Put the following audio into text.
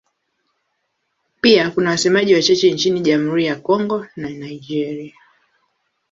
Pia kuna wasemaji wachache nchini Jamhuri ya Kongo na Nigeria.